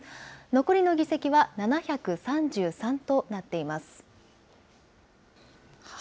残りの議席は７３３となっています。